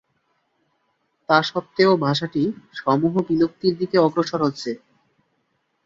তাস্বত্ত্বেও ভাষাটি সমূহ বিলুপ্তির দিকে অগ্রসর হচ্ছে।